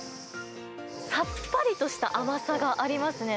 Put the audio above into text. さっぱりとした甘さがありますね。